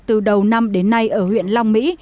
từ đầu năm đến nay ở huyện long mỹ